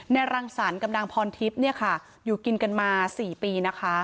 ในรังสรรค์กับนางพรทิพย์อยู่กินกันมา๔ปี